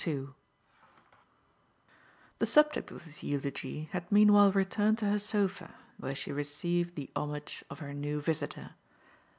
II The subject of this eulogy had meanwhile returned to her sofa, where she received the homage of her new visitor.